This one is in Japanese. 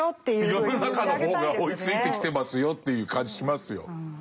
世の中の方が追いついてきてますよという感じしますよ。